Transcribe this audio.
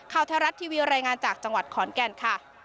ไทยรัฐทีวีรายงานจากจังหวัดขอนแก่นค่ะ